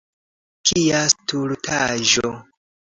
Kia stultaĵo!